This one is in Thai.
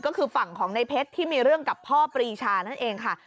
ก็คือฝั่งของในเพชรที่มีเรื่องกับพ่อปรีชานั่นเองค่ะ